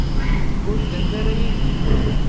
Ur ddant ara yid-i.